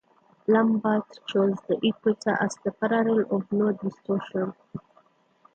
Lambert chose the equator as the parallel of no distortion.